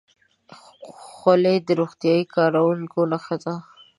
خولۍ د روغتیايي کارکوونکو نښه ده.